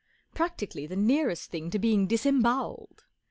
Practically the nearest thing to being disembowelled.